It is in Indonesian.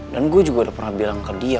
dan gue juga udah pernah bilang ke dia